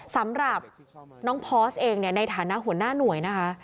สำหรับน้องพอร์สเองในฐานะหัวหน้าหน่วยนะคะ